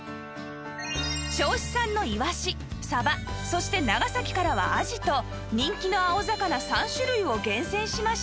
銚子産のいわしさばそして長崎からはあじと人気の青魚３種類を厳選しました